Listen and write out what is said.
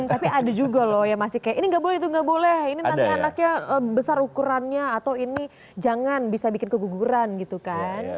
tapi ada juga loh yang masih kayak ini nggak boleh itu nggak boleh ini nanti anaknya besar ukurannya atau ini jangan bisa bikin keguguran gitu kan